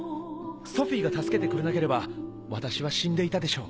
ソフィーが助けてくれなければ私は死んでいたでしょう。